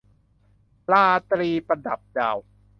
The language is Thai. ราตรีประดับดาว